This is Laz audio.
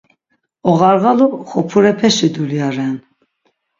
Oğarğalu Xop̌urepeşi dulya ren.